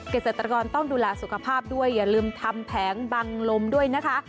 เกษตรกรต้องดูแลสุขภาพด้วยอย่าลืมทำแผงบังลมด้วยนะคะ